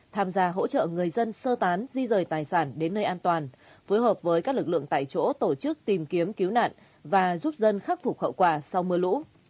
tham gia hỗ trợ người dân sơ tán di rời tài sản đến nơi an toàn phối hợp với các lực lượng tại chỗ tổ chức tìm kiếm cứu nạn và giúp dân khắc phục hậu quả sau mưa lũ